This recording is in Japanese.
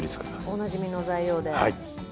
おなじみの材料で。